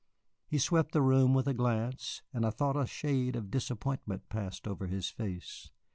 He swept the room with a glance, and I thought a shade of disappointment passed over his face.